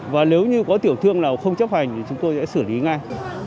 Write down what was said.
và nếu như có tiểu thương nào không chấp hành thì chúng tôi sẽ xử lý ngay